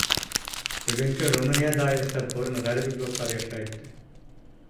بۈگۈنكى رۇمىنىيە دائىرىسىدە بۇرۇن غەربىي گوتلار ياشايتتى.